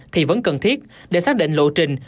thì vẫn cần thiết để xác định lộ trình